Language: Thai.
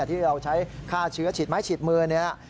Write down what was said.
ที่เราใช้ฆ่าเชื้อฉีดไม้ฉีดมือเนี่ยนะ